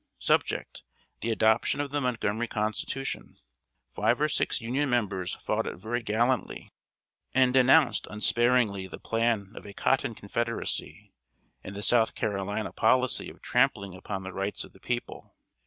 Subject: "The adoption of the Montgomery Constitution." Five or six Union members fought it very gallantly, and denounced unsparingly the plan of a Cotton Confederacy, and the South Carolina policy of trampling upon the rights of the people.